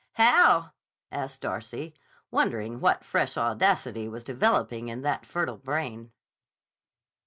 "How?" asked Darcy, wondering what fresh audacity was developing in that fertile brain.